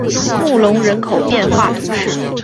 穆龙人口变化图示